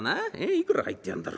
いくら入ってやがんだろ。